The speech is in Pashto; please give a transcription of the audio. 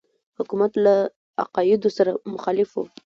حکومت له عقایدو سره مخالف وو.